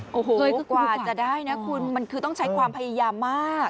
โอ้โหคือกว่าจะได้นะคุณมันคือต้องใช้ความพยายามมาก